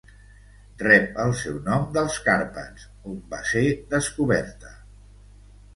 Rep el seu nom dels Carpats, on va ser descoberta.